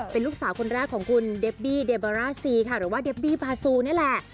เป็นลูกสาวคนแรกของคุณเดบบี้เดบาร่าซีค่ะหรือว่าเดบบี้บาซูนี่แหละ